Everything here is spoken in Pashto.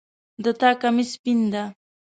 د تا کمیس سپین ده